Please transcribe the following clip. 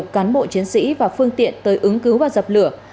một cán bộ chiến sĩ và phương tiện tới ứng cứu và dập lửa